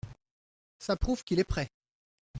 Ca prouve qu’il est prêt !